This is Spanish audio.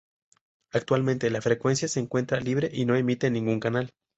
Actualmente, la frecuencia se encuentra libre y no emite ningún canal.